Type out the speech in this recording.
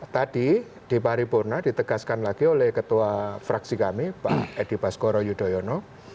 tadi di paripurna ditegaskan lagi oleh ketua fraksi kami pak edi baskoro yudhoyono